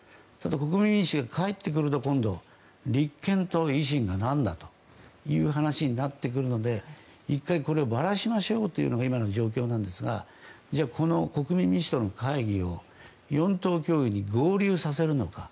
国民民主が帰ってくると立憲と維新が何だという話になってくるので１回これをばらしましょうというのが今の状況なんですがこの国民民主党の会議を４党協議に合流させるのか。